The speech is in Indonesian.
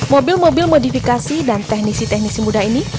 mobil mobil modifikasi dan teknisi teknisi muda ini